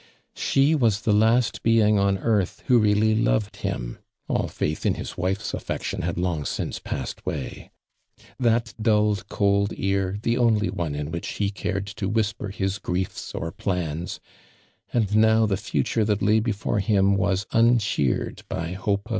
She was tho last neing on earth who really loved him (all faith in his wife's afiectiou liad long since passed way) ; that dulled cold ear the only one in which he cared to whisper his griefs or plans, and now the future that lay before iiim was uncheered by hope of